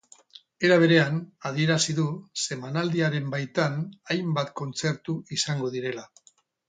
Era berean, adierazi du, zinemaldiaren baitan hainbat kontzertu izango direla.